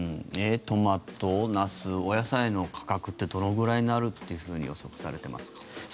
トマト、ナスお野菜の価格ってどれくらいになるっていうふうに予測されてますか？